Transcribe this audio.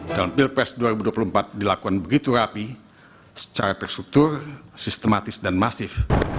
dalam pilpres dua ribu dua puluh empat dilakukan begitu rapi secara terstruktur sistematis dan masif